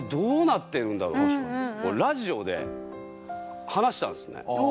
ラジオで話したんですね。